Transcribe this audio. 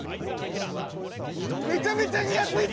めちゃめちゃにやついとる！